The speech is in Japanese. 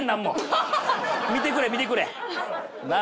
見てくれ見てくれ。なあ。